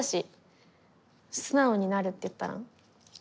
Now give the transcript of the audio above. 素直になるっていったら？